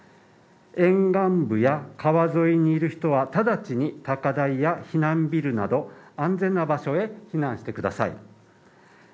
沿岸部や川沿いにいる人は直ちに高台や避難ビルなど安全な場所へ避難してください。